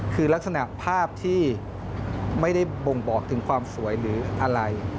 คือลักษณะภาพที่ไม่ได้บ่งบอกถึงความสวยหรืออะไร